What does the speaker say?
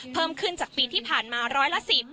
เพิ่มขึ้นจากปีที่ผ่านมาร้อยละ๑๐